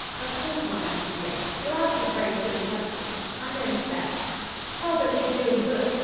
"Of course not, Betty, dear. You're asking very silly questions. I'm going to bed." "Well, but they do in books.